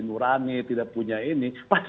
nurani tidak punya ini pasti